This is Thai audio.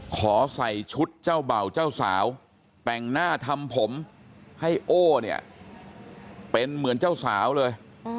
ขอใส่ชุดเจ้าเบ่าเจ้าสาวแต่งหน้าทำผมให้โอ้เนี่ยเป็นเหมือนเจ้าสาวเลย